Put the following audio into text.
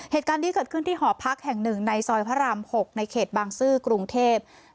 เหตุการณ์นี้เกิดขึ้นที่หอพักแห่งหนึ่งในซอยพระราม๖ในเขตบางซื่อกรุงเทพ